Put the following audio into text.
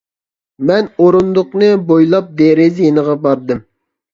مەن ئورۇندۇقنى بويلاپ دېرىزە يېنىغا باردىم.